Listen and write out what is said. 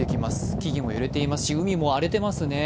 木々も揺れていますし海も荒れていますね。